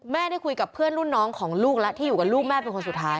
ได้คุยกับเพื่อนรุ่นน้องของลูกแล้วที่อยู่กับลูกแม่เป็นคนสุดท้าย